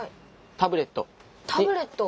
タブレット？